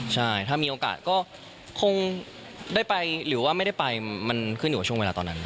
ใช่ถ้ามีโอกาสก็คงได้ไปหรือว่าไม่ได้ไปมันขึ้นอยู่กับช่วงเวลาตอนนั้น